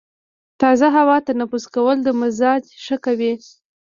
تازه هوا تنفس کول د مزاج ښه کوي.